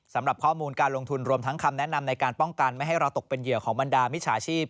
สำหรับข้อมูลการลงทุนรวมทั้งคำแนะนำในการป้องกันไม่ให้เราตกเป็นเหยื่อของบรรดามิจฉาชีพ